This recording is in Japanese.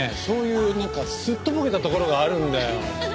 そういうなんかすっとぼけたところがあるんだよ。